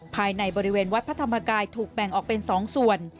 ภายในบริเวณวัดพระธรรมกายถูกแบ่งออกเป็น๒ส่วน